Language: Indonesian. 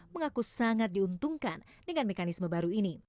mengaku sangat diuntungkan dengan mekanisme baru ini